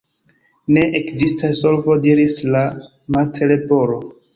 "Ne ekzistas solvo," diris la Martleporo.